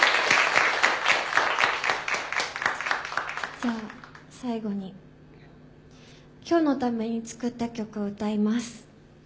じゃあ最後に今日のために作った曲を歌います。